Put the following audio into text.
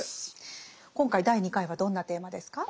今回第２回はどんなテーマですか？